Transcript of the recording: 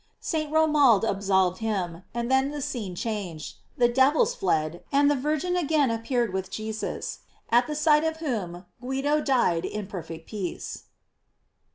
St. Romuald absolved him, and then the scene changed; the devils fled, and the Virgin again appeared with Jesus, at the sight of whom Guido died in per fect peace.